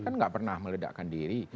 kan nggak pernah meledakkan diri